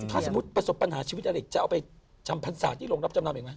ถ้าสมมุติประสบปัญหาชีวิตอะไรจะเอาไปจำพรรษาที่โรงรับจำนำอีกไหม